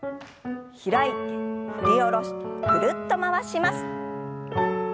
開いて振り下ろしてぐるっと回します。